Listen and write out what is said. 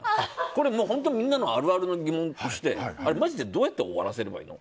これはみんなのあるあるの疑問としてマジでどうやって終わらせればいいの？